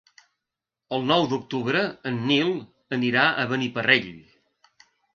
El nou d'octubre en Nil anirà a Beniparrell.